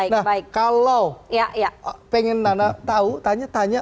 nah kalau pengen nana tahu tanya tanya